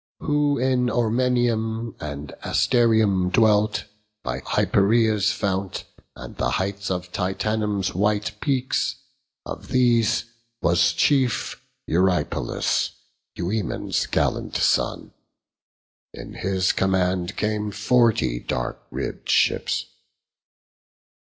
Who in Ormenium and Asterium dwelt, By Hypereia's fount, and on the heights Of Titanum's white peaks, of these was chief Eurypylus, Euaemon's gallant son; In his command came forty dark ribb'd ships.